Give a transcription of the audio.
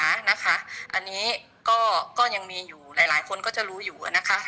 อันนี้ก็ยังมีอยู่หลายคนก็จะรู้อยู่นะคะ